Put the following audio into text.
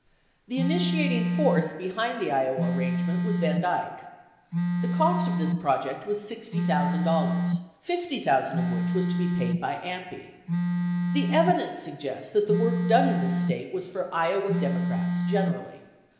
The initiating force behind the Iowa arrangement was Van Dyk. The cost of this project was $60,000, $50,000 of which was to be paid by AMPI. The evidence suggests that the work done in this State was for Iowa Democrats generally.